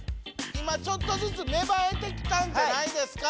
今ちょっとずつめばえてきたんじゃないですか？